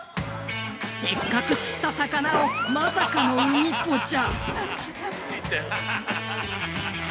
◆せっかく釣った魚をまさかの海ポチャ。